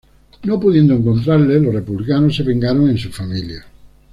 No pudiendo encontrarle los republicanos, se vengaron en su familia.